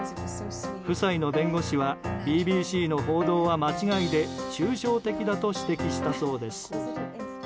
夫妻の弁護士はＢＢＣの報道は間違いで中傷的だと指摘したそうです。